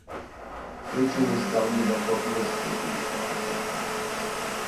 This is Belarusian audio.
Прычынай стаў недахоп месцаў у дзіцячых садках.